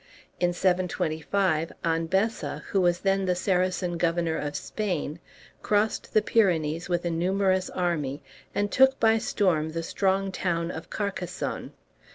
In 725, Anbessa, who was then the Saracen governor of Spain, crossed the Pyrenees with a numerous army, and took by storm the strong town of Carcassone.